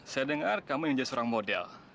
saya dengar kamu ingin jadi seorang model